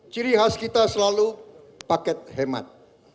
ciri khas kita selalu paket hemat